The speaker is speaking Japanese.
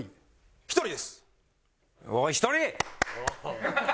１人です。